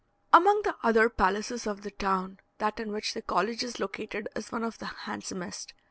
Among the other palaces of the town, that in which the college is located is one of the handsomest.